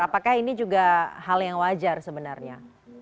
apakah ini juga hal yang wajar sebenarnya